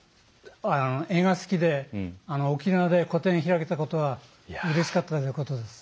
絵が好きで沖縄で個展開けたことはうれしかったことです。